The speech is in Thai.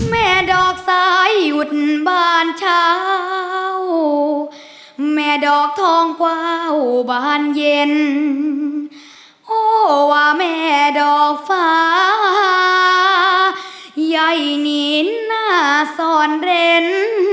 ว่าแม่ดอกฟ้าใยหนีนหน้าซอนเล่น